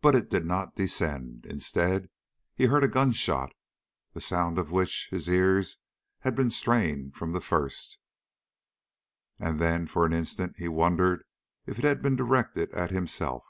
But it did not descend, Instead, he heard a gun shot that sound for which his ears had been strained from the first and then for an instant he wondered if it had been directed at himself.